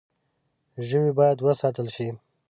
ژوی باید وساتل شي.